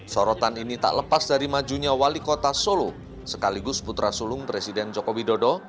sorotan ini tak lepas dari majunya wali kota solo sekaligus putra sulung presiden joko widodo